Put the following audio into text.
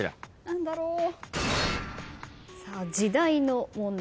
何だろう？